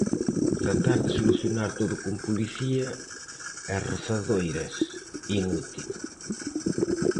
Tratar de solucionar todo con policía e rozadoiras, inútil.